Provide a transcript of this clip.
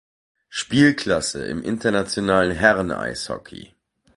Spielklasse im internationalen Herren-Eishockey.